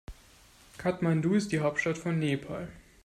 Kathmandu ist die Hauptstadt von Nepal.